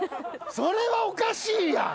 それはおかしいやん！